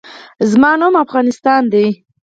زما نوم افغانستان دی